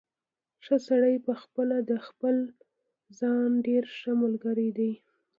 ښه سړی پخپله د خپل ځان ډېر ښه ملګری دی.